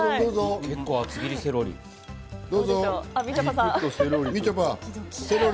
結構厚切りセロリ。